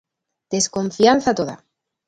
Desconfianza, toda.